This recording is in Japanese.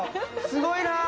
すごいなぁ！